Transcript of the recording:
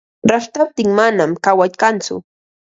Rashtaptin manam kaway kantsu.